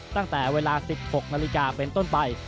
ตั้งแต่เวลา๑๖นาฬิกาเป็นต้นไป